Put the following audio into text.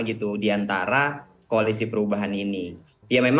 kita harus jeda terlebih dahulu